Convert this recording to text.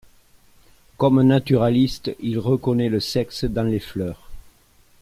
Comme naturaliste, il reconnait le sexe dans les fleurs.